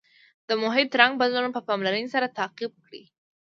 د محیط رنګ بدلون په پاملرنې سره تعقیب کړئ.